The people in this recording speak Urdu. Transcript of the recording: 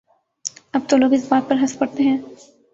اب تو لوگ اس بات پر ہنس پڑتے ہیں۔